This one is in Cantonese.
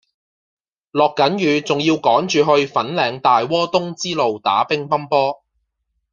落緊雨仲要趕住去粉嶺大窩東支路打乒乓波